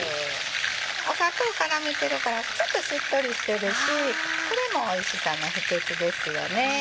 砂糖絡めてるからちょっとしっとりしてるしこれもおいしさの秘訣ですよね。